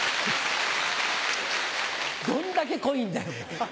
どんだけ濃いんだよ。